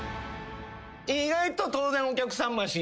意外と当然お客さんもやし